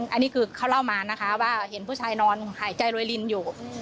อันนี้คือเขาเล่ามานะคะว่าเห็นผู้ชายนอนหายใจรวยลินอยู่